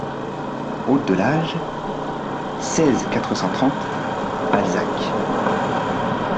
Route de l'Age, seize, quatre cent trente Balzac